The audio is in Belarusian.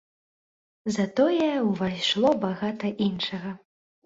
Затое, увайшло багата іншага.